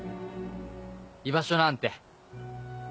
居場所なんて。